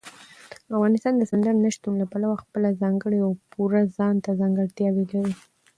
افغانستان د سمندر نه شتون له پلوه خپله ځانګړې او پوره ځانته ځانګړتیاوې لري.